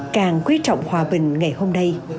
càng quý trọng hòa bình ngày hôm nay